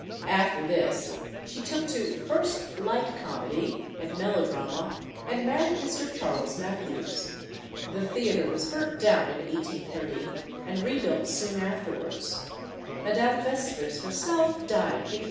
After this she took to "first light comedy" and melodrama, and married Mr. Charles Mathews. The theatre was burnt down in 1830, and rebuilt soon afterwards. Madame Vestris herself died in 1856.